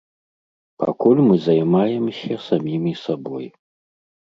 Пакуль мы займаемся самімі сабой.